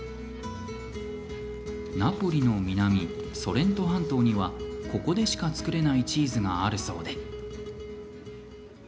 ナポリの南、ソレント半島にはここでしか造れないチーズがあるそうで。